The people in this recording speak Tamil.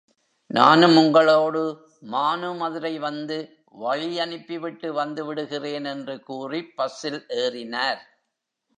நானும் உங்களோடு மானுமதுரை வந்து, வழியனுப்பிவிட்டு வந்து விடுகிறேன் என்று கூறிப் பஸ்ஸில் ஏறினார்.